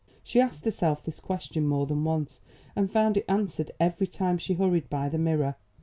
She asked herself this question more than once, and found it answered every time she hurried by the mirror.